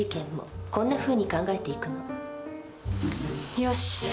よし。